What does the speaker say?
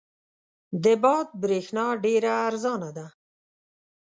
د باد برېښنا ډېره ارزانه ده.